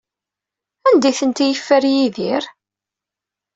Anda ay tent-yeffer Yidir?